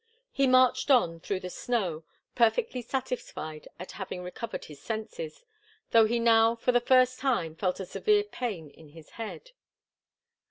He marched on through the snow, perfectly satisfied at having recovered his senses, though he now for the first time felt a severe pain in his head.